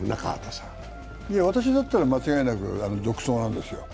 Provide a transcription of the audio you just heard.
私だったら間違いなく続投なんですよ。